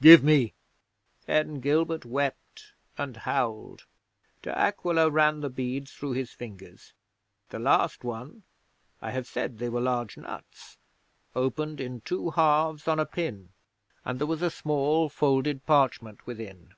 Give me!" 'Then Gilbert wept and howled. De Aquila ran the beads through his fingers. The last one I have said they were large nuts opened in two halves on a pin, and there was a small folded parchment within.